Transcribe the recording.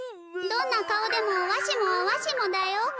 どんな顔でもわしもはわしもだよ。